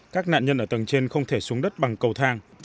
các nạn nhân ở tầng trên không thể xuống đất bằng cầu thang